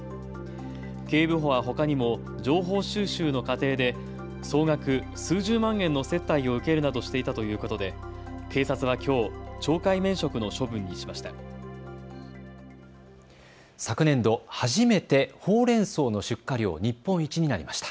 警部補はほかにも情報収集の過程で総額数十万円の接待を受けるなどしていたということで警察はきょう懲戒免職の処分にしました。